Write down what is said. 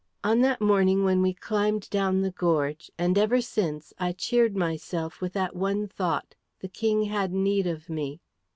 On that morning when we climbed down the gorge, and ever since I cheered myself with that one thought. The King had need of me."